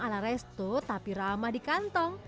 ala resto tapi ramah di kantong